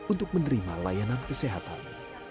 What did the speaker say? untuk menerima layanan kesehatan